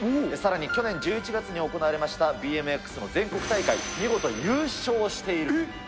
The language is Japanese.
さらに去年１１月に行われましたＢＭＸの全国大会、見事優勝している。